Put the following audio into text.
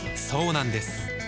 そうなんです